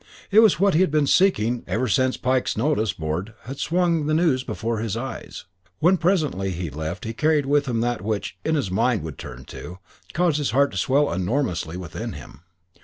It was what he had been seeking ever since Pike's notice board had swung the news before his eyes. When presently he left he carried with him that which, when his mind would turn to it, caused his heart to swell enormously within him.